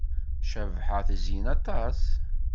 Cabḥa tezyen aṭas.